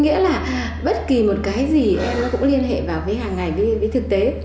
nghĩa là bất kỳ một cái gì em nó cũng liên hệ vào với hàng ngày với thực tế